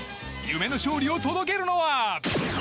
夢の勝利を届けるのは。